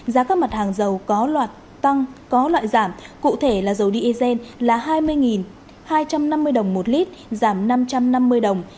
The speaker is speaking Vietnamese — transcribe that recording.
giá các mặt hàng dầu có loạt tăng có loại giảm cụ thể là dầu diesel là hai mươi hai trăm năm mươi đồng một lít giảm năm trăm năm mươi đồng